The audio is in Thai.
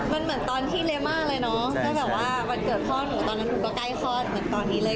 มันเหมือนตอนที่เลม่าเลยเนาะถ้าแบบว่าวันเกิดพ่อหนูตอนนั้นหนูก็ใกล้คลอดเหมือนตอนนี้เลย